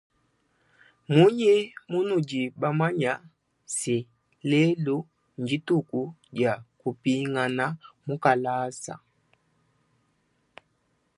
Mnunyi munudi bamanye se lelu ndituku dia kupingana mukalasa.